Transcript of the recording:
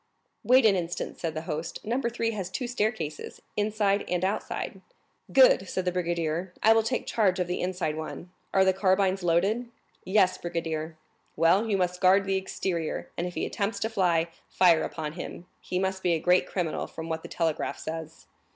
"Wait an instant," said the host; "Number 3 has two staircases,—inside and outside." "Good," said the brigadier. "I will take charge of the inside one. Are the carbines loaded?" "Yes, brigadier." "Well, you guard the exterior, and if he attempts to fly, fire upon him; he must be a great criminal, from what the telegraph says."